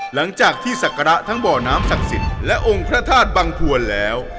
หลังจากที่ศักระทั้งบ่อน้ำศักดิ์สิทธิ์และองค์พระธาตุบังพวนแล้ว